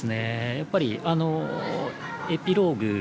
やっぱりあのエピローグ。